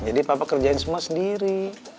jadi papa kerjain semua sendiri